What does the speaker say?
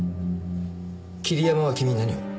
桐山は君に何を？